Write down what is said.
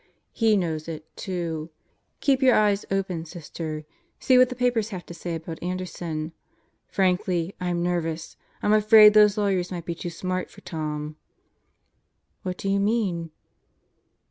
He knows it, too. Keep your eyes open, Sister. See what the papers have to say about Anderson. Frankly, I'm nervous. I'm afraid those lawyers might be too smart for Tom." "What do you mean?"